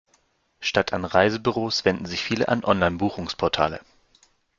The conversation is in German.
Statt an Reisebüros wenden sich viele an Online-Buchungsportale.